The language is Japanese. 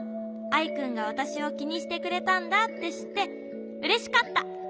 アイくんがわたしをきにしてくれたんだってしってうれしかった。